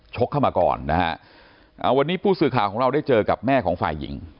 เข้ามาก่อนนะฮะอ่าวันนี้ผู้สื่อข่าวของเราได้เจอกับแม่ของฝ่ายหญิง